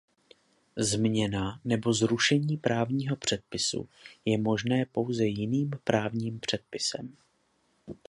Změna nebo zrušení právního předpisu je možné pouze jiným právním předpisem.